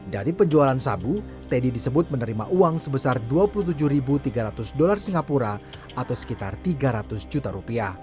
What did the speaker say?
dari penjualan sabu teddy disebut menerima uang sebesar dua puluh tujuh tiga ratus dolar singapura atau sekitar tiga ratus juta rupiah